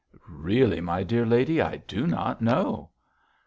'Really, my dear lady, I do not know.'